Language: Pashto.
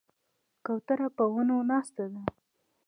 کوتره په ونو ناسته ده.